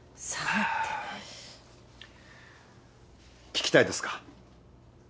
聞きたいですか？